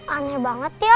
aneh banget ya